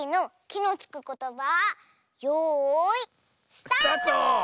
スタート！